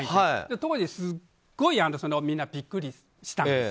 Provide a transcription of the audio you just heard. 当時すごいみんなビックリしたんです。